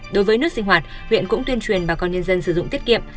đối với nước sinh hoạt huyện cũng tuyên truyền bà con nhân dân sử dụng tiết kiệm